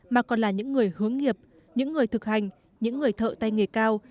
mà còn là những người hướng nghiệp những người thực hành những người thợ tay nghề cao